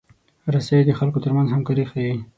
رسۍ د خلکو ترمنځ همکاري ښيي.